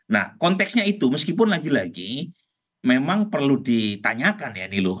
nah konteksnya itu meskipun lagi lagi memang perlu ditanyakan ya nih loh